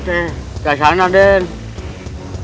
tidak ada yang di sana